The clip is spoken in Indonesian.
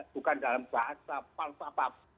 bukan dalam bahasa palpa palpa